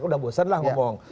sudah bosan lah ngomong